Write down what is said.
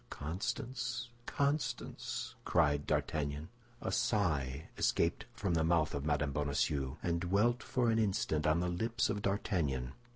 "Constance, Constance!" cried D'Artagnan. A sigh escaped from the mouth of Mme. Bonacieux, and dwelt for an instant on the lips of D'Artagnan.